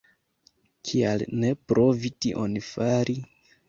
Kial ne provi tion fari?